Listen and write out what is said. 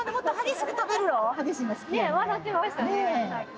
笑ってましたね。